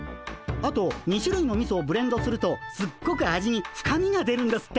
あと２しゅるいのみそをブレンドするとすっごく味に深みが出るんですって。